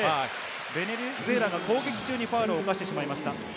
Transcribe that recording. ベネズエラが攻撃中にファウルをおかしてしまいました。